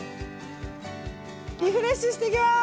リフレッシュしてきます！